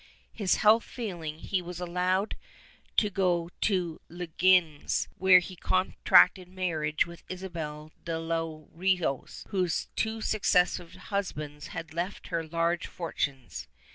His health failing, he was allowed to go to Leganes, where he contracted marriage with Isabel de los Rios, whose two successive husbands had left her large for tunes.